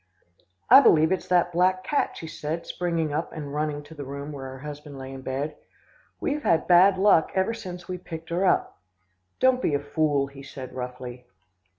"'I believe it's that black cat,' she said, springing up and running to the room where her husband lay in bed. 'We've had bad luck ever since we picked her up.' "'Don't be a fool,' he said roughly.